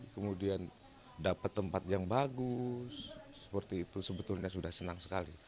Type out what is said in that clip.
kemudian dapat tempat yang bagus seperti itu sebetulnya sudah senang sekali